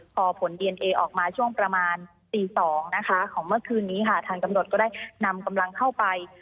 พอผลดีเอนเอออกมาช่วงประมาณตี๒นะคะของเมื่อคืนนี้ค่ะทางตำรวจก็ได้นำกำลังเข้าไป